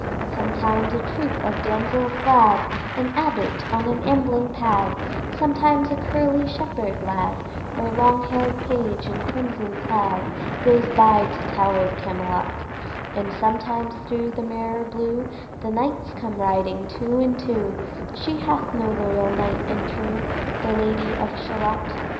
Sometimes a troop of damsels glad, An abbot on an ambling pad, Sometimes a curly shepherd lad, Or long hair'd page in crimson clad, Goes by to tower'd Camelot; And sometimes thro' the mirror blue The knights come riding two and two: She hath no loyal knight and true, The Lady of Shalott.